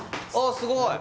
すごい！